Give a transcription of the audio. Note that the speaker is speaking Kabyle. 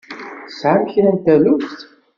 Tesɛam kra n taluft?